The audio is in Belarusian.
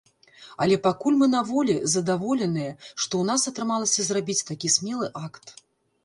Але пакуль мы на волі, задаволеныя, што ў нас атрымалася зрабіць такі смелы акт.